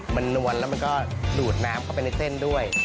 มันนวลแล้วมันก็ดูดน้ำเข้าไปในเส้นด้วย